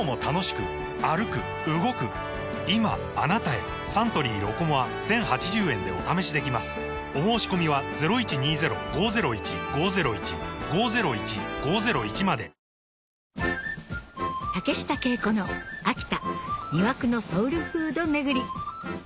今あなたへサントリー「ロコモア」１，０８０円でお試しできますお申込みは竹下景子の秋田魅惑のソウルフード巡り